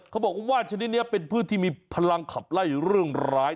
เขาบอกว่าว่านชนิดนี้เป็นพืชที่มีพลังขับไล่เรื่องร้าย